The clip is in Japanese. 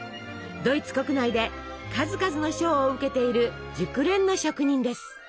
ドイツ国内で数々の賞を受けている熟練の職人です。